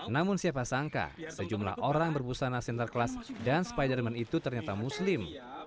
namun siapa sangka sejumlah orang berbusana sinterklas dan spiderman itu ternyata muslim